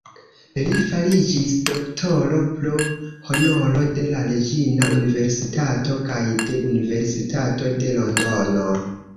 Li fariĝis doktoro pro honoro de la Reĝina Universitato kaj de Universitato de Londono.